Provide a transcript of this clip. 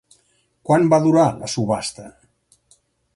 Quant va durar la subhasta?